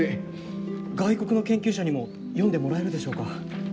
外国の研究者にも読んでもらえるでしょうか？